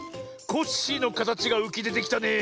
コッシーのかたちがうきでてきたねえ。